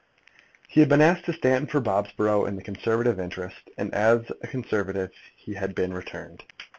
He had been asked to stand for Bobsborough in the Conservative interest, and as a Conservative he had been returned.